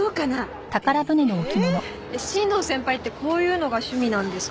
新藤先輩ってこういうのが趣味なんですか？